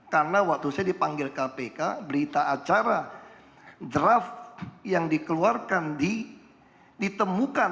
karena waktu saya dipanggil kpk berita acara draft yang dikeluarkan ditemukan